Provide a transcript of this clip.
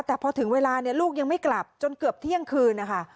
แต่พอถึงเวลาเนี่ยลูกยังไม่กลับจนเกือบเที่ยงคืนนะคะ